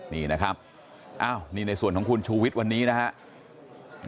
นี่นะครับนี่ในส่วนของคุณชูวิทย์วันนี้นะครับ